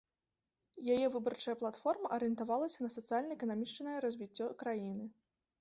Яе выбарчая платформа арыентавалася на сацыяльна-эканамічнае развіццё краіны.